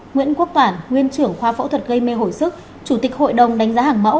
nguyễn quốc toản nguyên trưởng khoa phẫu thuật gây mê hồi sức chủ tịch hội đồng đánh giá hàng mẫu